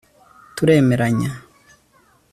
Turemeranya